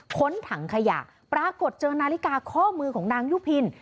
้นถังขยะปรากฏเจอนาฬิกาข้อมือของนางยุพิน